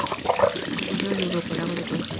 Se encontraba en Europa: lago de Constanza.